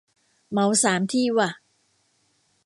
เหมาสามที่ว่ะ